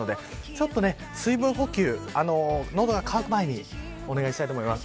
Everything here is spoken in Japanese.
ちょっと水分補給、喉が渇く前にお願いしたいと思います。